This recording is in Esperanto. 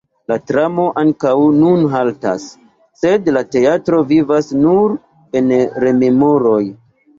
La tramo ankaŭ nun haltas, sed la teatro vivas nur en rememoroj.